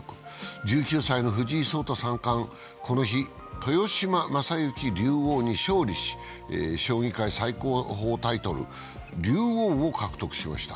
１９歳の藤井聡太三冠、この日、豊島将之竜王に勝利し、将棋界最高峰のタイトル竜王を獲得しました。